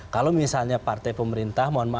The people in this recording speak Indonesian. kalau misalnya partai pemerintah